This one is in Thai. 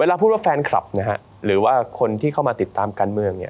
พูดว่าแฟนคลับนะฮะหรือว่าคนที่เข้ามาติดตามการเมืองเนี่ย